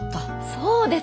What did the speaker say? そうですよ。